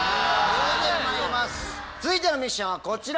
続いてのミッションはこちら。